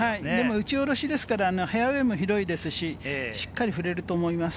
打ち下ろしですからフェアウエーも広いですし、しっかり振れると思います。